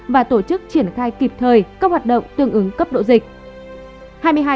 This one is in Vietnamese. và tổ chức triển khai kịp thời các hoạt động tương ứng cấp độ dịch